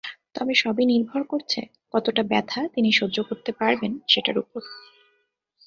তবে সবই নির্ভর করছে কতটা ব্যথা তিনি সহ্য করতে পারবেন সেটার ওপর।